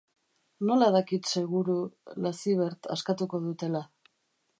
Nola dakit seguru Lacivert askatuko dutela?